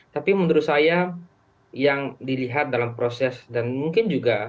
tapi menurut saya yang dilihat dalam proses dan mungkin juga